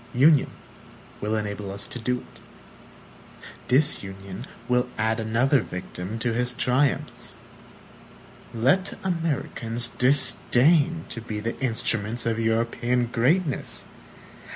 Union will enable us to do it. Disunion will will add another victim to his triumphs. Let Americans disdain to be the instruments of European greatness!